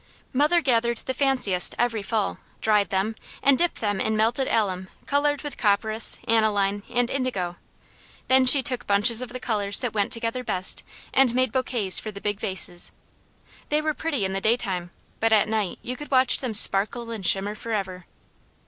Mother gathered the fanciest every fall, dried them, and dipped them in melted alum coloured with copperas, aniline, and indigo. Then she took bunches of the colours that went together best and made bouquets for the big vases. They were pretty in the daytime, but at night you could watch them sparkle and shimmer forever.